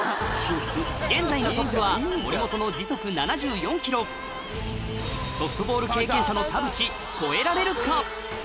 現在のトップは森本の時速７４ｋｍソフトボール経験者の田渕超えられるか？